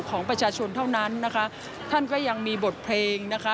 ที่สี่สิบแปดเพลงนะคะ